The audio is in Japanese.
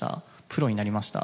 プロになりました